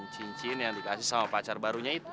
cincin yang dikasih sama pacar barunya itu